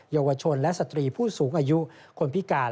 เยาวชนและสตรีผู้สูงอายุคนพิการ